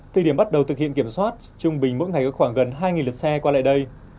thời điểm bắt đầu thực hiện kiểm soát trung bình mỗi ngày có khoảng gần hai lượt xe qua lại đây